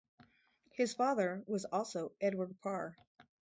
His father was also Edward Parr.